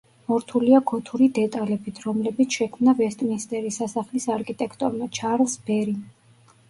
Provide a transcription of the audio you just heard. მორთულია გოთური დეტალებით, რომლებიც შექმნა ვესტმინსტერის სასახლის არქიტექტორმა, ჩარლზ ბერიმ.